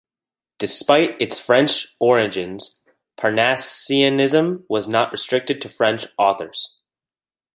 Despite its French origins, Parnassianism was not restricted to French authors.